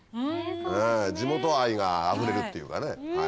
地元愛があふれるっていうかね。